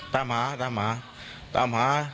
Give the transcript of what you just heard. ตามหาตามหาตามหา